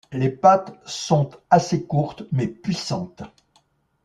Les pattes sont assez courtes, mais puissantes.